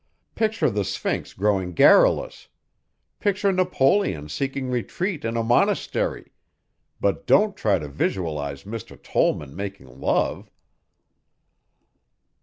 Picture the Sphinx growing garrulous. Picture Napoleon seeking retreat in a monastery but don't try to visualize Mr. Tollman making love."